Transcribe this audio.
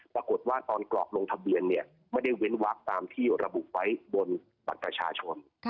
ปรากฏว่าตอนกรอกลงทะเบียนเนี่ยไม่ได้เว้นวักตามที่ระบุไว้บนบัตรประชาชน